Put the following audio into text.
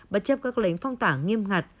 bất chấp các lệnh phong tỏa nghiêm ngặt